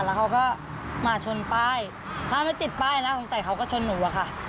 แล้วเขาก็มาชนป้ายถ้าไม่ติดป้ายนะสงสัยเขาก็ชนหนูอะค่ะ